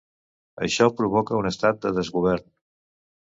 Això provoca un estat de desgovern.